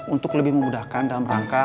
untuk lebih memudahkan dalam rangka